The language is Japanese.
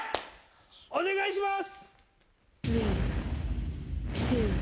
お願いします。